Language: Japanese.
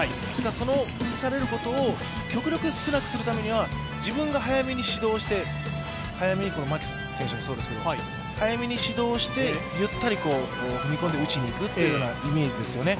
その崩されることを極力少なくするためには、自分が早めに始動して牧選手もそうですけれども、早めに始動してゆったり踏み込んで打ちにいくイメージですよね。